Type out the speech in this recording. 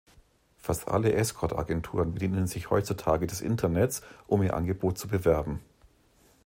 Fast alle Escort-Agenturen bedienen sich heutzutage des Internets, um ihr Angebot zu bewerben.